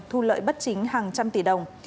thu lợi bất chính hàng trăm tỷ đồng